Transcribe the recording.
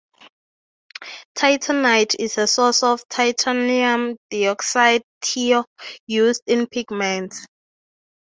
Titanite is a source of titanium dioxide, TiO, used in pigments.